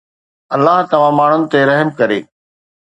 الله توهان ماڻهن تي رحم ڪري